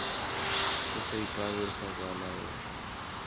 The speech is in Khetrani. کسائی کاوِڑ سا ڳاھلا ہِے